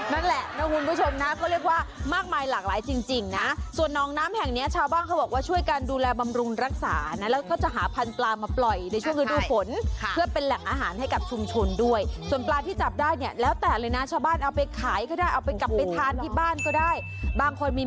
นั่นแหละนะคุณผู้ชมนะก็เรียกว่ามากมายหลากหลายจริงนะส่วนน้องน้ำแห่งเนี้ยชาวบ้านเขาบอกว่าช่วยกันดูแลบำรุงรักษานะแล้วก็จะหาพันธุ์ปลามาปล่อยในช่วงฤดูฝนเพื่อเป็นแหล่งอาหารให้กับชุมชนด้วยส่วนปลาที่จับได้เนี่ยแล้วแต่เลยนะชาวบ้านเอาไปขายก็ได้เอาไปกลับไปทานที่บ้านก็ได้บางคนมี